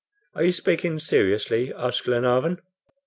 "Are you speaking seriously?" asked Glenarvan.